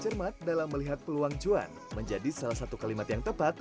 cermat dalam melihat peluang cuan menjadi salah satu kalimat yang tepat